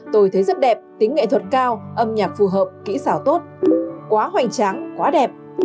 tôi thấy rất đẹp tính nghệ thuật cao âm nhạc phù hợp kỹ xảo tốt quá hoành tráng quá đẹp